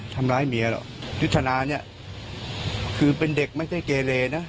ทำร้ายเมียหรอกยุทธนาเนี่ยคือเป็นเด็กไม่ใช่เกเลนะ